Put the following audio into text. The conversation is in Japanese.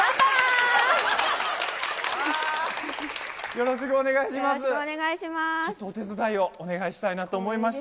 よろしくお願いします。